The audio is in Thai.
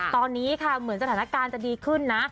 ตอนนี้ค่ะเหมือนสถานการณ์จะดีขึ้นนะ